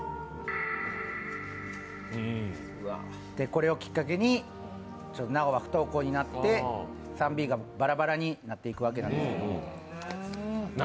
これをきっかけに、直が不登校になって３Ｂがバラバラになっていくわけです。